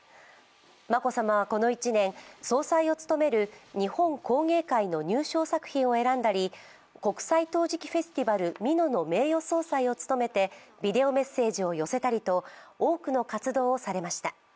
眞子さまはこの１年、総裁を務める日本工芸会の入賞作品を選んだり国際陶磁器フェスティバル美濃の名誉総裁を務めてビデオメッセージを寄せたりと多くの活動をされました。